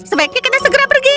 sebaiknya kita segera pergi